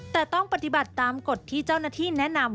แต่ต้องปฏิบัติตามกฎที่เจ้าหน้าที่แนะนำ